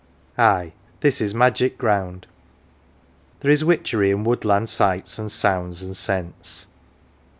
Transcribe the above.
Ay, this is magic ground; there is witchery in woodland sights and sounds and scents.